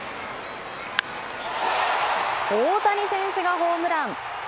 大谷選手がホームラン！